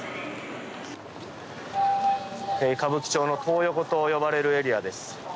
歌舞伎町のトー横と呼ばれるエリアです。